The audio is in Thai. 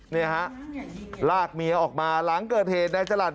นี่ฮะลากเมียออกมาหลังเกิดเหตุนายจรัส